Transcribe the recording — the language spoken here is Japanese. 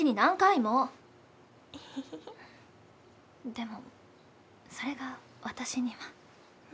でもそれが私には。